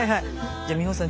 じゃ美穂さん